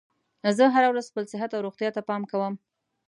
زه هره ورځ خپل صحت او روغتیا ته پام کوم